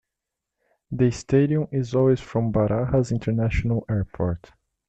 The stadium is away from Barajas International Airport.